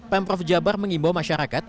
pemprov jabar mengimbau masyarakat